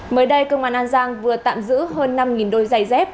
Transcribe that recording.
mới đây công an an giang vừa tạm giữ hơn năm đôi giày dép